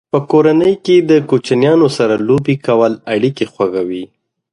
په کورنۍ کې د کوچنیانو سره لوبې کول اړیکې خوږوي.